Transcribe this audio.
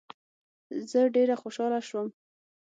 زه ډېر خوشاله شوم.